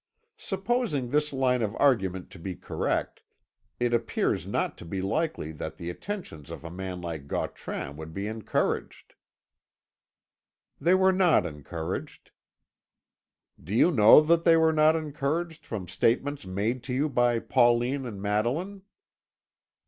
Supposing this line of argument to be correct, it appears not to be likely that the attentions of a man like Gautran would be encouraged." "They were not encouraged." "Do you know that they were not encouraged from statements made to you by Pauline and Madeline?"